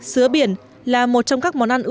sứa biển là một trong các bệnh viện khó chịu